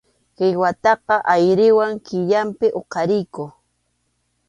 Kinwataqa ayriway killapim huqariyku.